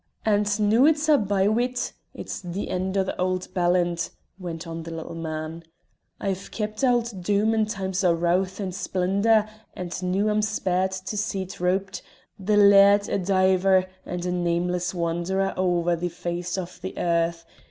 "And noo it's a' by wi't; it's the end o' the auld ballant," went on the little man. "I've kept auld Doom in times o' rowth and splendour, and noo I'm spared to see't rouped, the laird a dyvour and a nameless wanderer ower the face o' the earth.